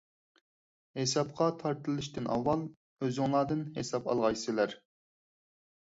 ھېسابقا تارتىلىشتىن ئاۋۋال ئۆزۈڭلاردىن ھېساب ئالغايسىلەر.